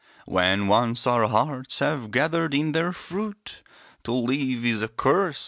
When once our hearts have gathered in their fruit, To live is a curse!